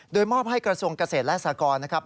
โดยมอบให้กระทรวงเกษตรและสากรนะครับ